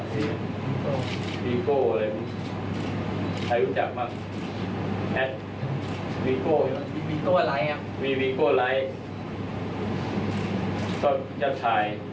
แต่พอไปเจอนน้องเขานี่น้องเขาบอกว่า